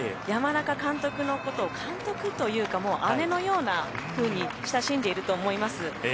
山中監督のことを監督というかもう姉のようなふうに親しんでいると思います。